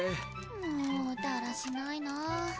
もうだらしないなぁ。